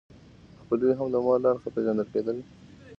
خپلوي هم د مور له اړخه پیژندل کیده.